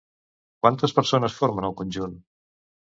Quantes persones formen el conjunt?